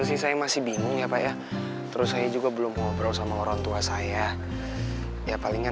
sih saya masih bingung ya pak ya terus saya juga belum ngobrol sama orang tua saya ya palingan